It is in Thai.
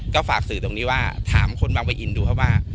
ก็ฝากสื่อตรงนี้ว่าถามคนบางปะอินดูครับว่า